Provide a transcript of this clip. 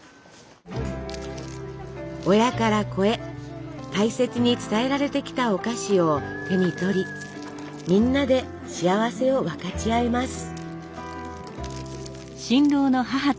親から子へ大切に伝えられてきたお菓子を手に取りみんなで幸せを分かち合います。